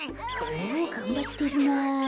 おがんばってるなあ。